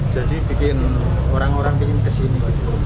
jadi bikin orang orang pingin kesini